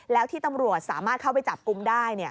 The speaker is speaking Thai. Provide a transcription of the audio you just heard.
แล้วที่ตำรวจสามารถเข้าไปจับกลุ่มได้